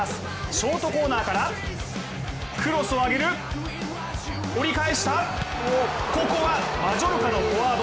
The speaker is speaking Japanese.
ショートコーナーからクロスを上げる、折り返した、ここはマジョルカのフォワード